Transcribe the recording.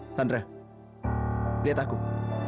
aku nggak ngerti deh